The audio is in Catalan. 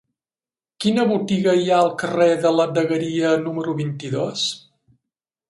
Quina botiga hi ha al carrer de la Dagueria número vint-i-dos?